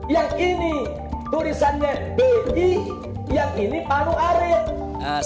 yang ini tulisannya bi yang ini palu arit